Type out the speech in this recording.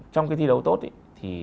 trong cái thi đấu tốt thì